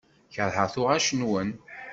Keṛheɣ tuɣac-nwen.